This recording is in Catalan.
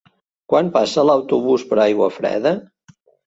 Quan passa l'autobús per Aiguafreda?